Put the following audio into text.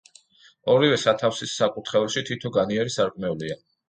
ორივე სათავსის საკურთხეველში თითო განიერი სარკმელია.